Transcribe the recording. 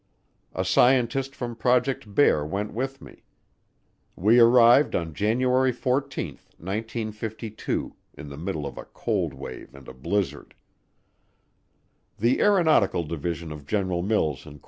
A scientist from Project Bear went with me. We arrived on January 14, 1952, in the middle of a cold wave and a blizzard. The Aeronautical Division of General Mills, Inc.